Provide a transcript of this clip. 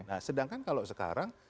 nah sedangkan kalau sekarang